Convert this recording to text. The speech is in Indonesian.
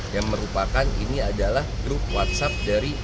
yang merupakan ini adalah grup whatsapp dari